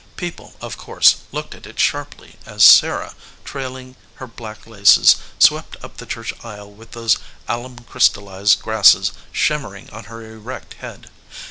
People, of course, looked at it sharply as Sarah, trailing her black laces, swept up the church aisle with those alum crystallized grasses shimmering on her erect head.